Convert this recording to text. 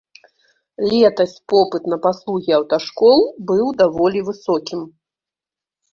Летась попыт на паслугі аўташкол быў даволі высокім.